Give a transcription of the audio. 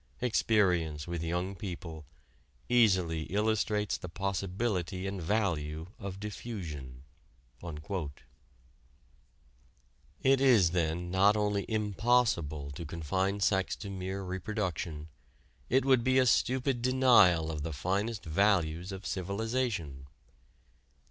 Experience, with young people, easily illustrates the possibility and value of diffusion." It is then not only impossible to confine sex to mere reproduction; it would be a stupid denial of the finest values of civilization.